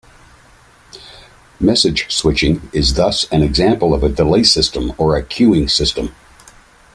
Message switching is thus an example of a delay system or a queuing system.